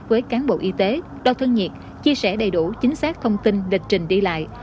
với cán bộ y tế đo thân nhiệt chia sẻ đầy đủ chính xác thông tin lịch trình đi lại